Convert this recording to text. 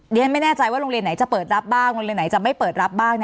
ไม่แน่ใจว่าโรงเรียนไหนจะเปิดรับบ้างโรงเรียนไหนจะไม่เปิดรับบ้าง